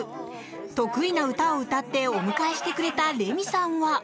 得意な歌を歌ってお迎えしてくれたレミさんは。